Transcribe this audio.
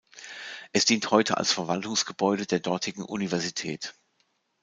Es dient heute als Verwaltungsgebäude der dortigen Universität.